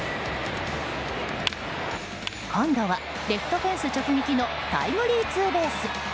今度はレフトフェンス直撃のタイムリーツーベース。